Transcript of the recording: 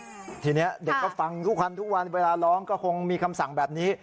ทีนี้เด็กก็ฟังทุกวันทุกวันเวลาร้องก็คงมีคำสั่งแบบนี้